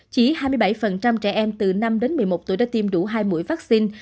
chỉ hai mươi bảy trẻ em từ năm đến một mươi một tuổi đã tiêm đủ hai mũi vaccine